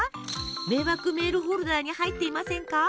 迷惑メールフォルダに入っていませんか？